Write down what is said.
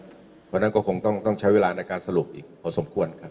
เพราะฉะนั้นก็คงต้องใช้เวลาในการสรุปอีกพอสมควรครับ